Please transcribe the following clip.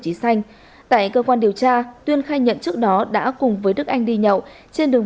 trí xanh tại cơ quan điều tra tuyên khai nhận trước đó đã cùng với đức anh đi nhậu trên đường